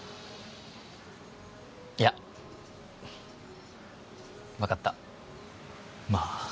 いや分かったまあ